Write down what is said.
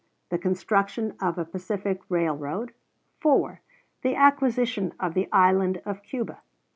The construction of a Pacific railroad. 4. The acquisition of the Island of Cuba.